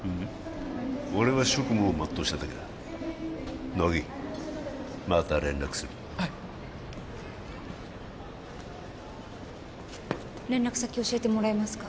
俺は職務を全うしただけだ乃木また連絡するはい連絡先教えてもらえますか？